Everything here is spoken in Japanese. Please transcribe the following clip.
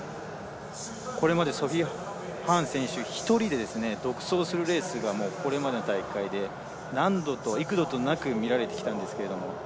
これまでソフィー・ハーン選手１人で独走するレースがこれまでの大会で幾度となく見られてきたんですけれども。